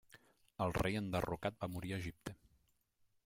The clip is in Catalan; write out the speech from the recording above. El rei enderrocat va morir a Egipte.